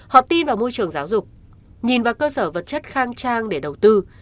họ tin vào môi trường giáo dục nhìn vào cơ sở vật chất khang trang để đầu tư